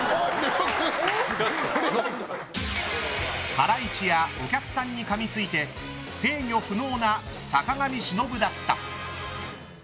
ハライチやお客さんにかみついて制御不能な坂上忍だった。